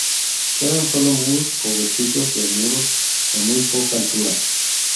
Quedan sólo muros o vestigios de muros de muy poca altura.